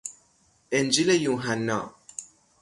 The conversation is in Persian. انجیل یوحنا